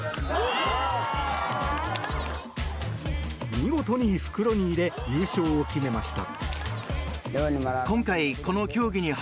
見事に袋に入れ優勝を決めました。